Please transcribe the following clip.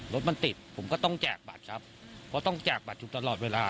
รถมันติดผมก็ต้องแจกบัตรครับเพราะต้องแจกบัตรอยู่ตลอดเวลา